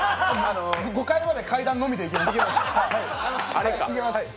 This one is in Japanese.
５階まで階段のみで行きます。